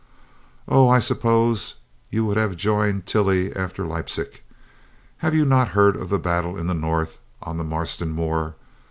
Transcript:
"Oh, I suppose you would have joined Tilly after Leipslc. Have you not heard of the battle in the north on the Marston Moor?